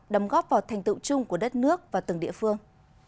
đóng góp vào thành tựu chung của đất nước và từng địa phương